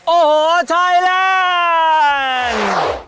โอ้โหไทยแลนด์